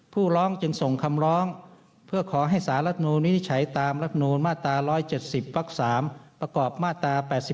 ผู้ร้องจึงส่งคำร้องเพื่อขอให้สารรัฐนูลวินิจฉัยตามรัฐมนูลมาตรา๑๗๐วัก๓ประกอบมาตรา๘๔